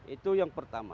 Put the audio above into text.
itu yang pertama